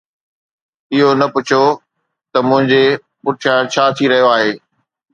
اهو نه پڇو ته منهنجي پٺيان ڇا ٿي رهيو آهي